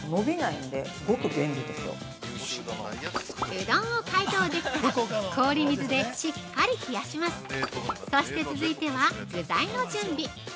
うどんを解凍できたら氷水でしっかり冷やしますそして続いては具材の準備！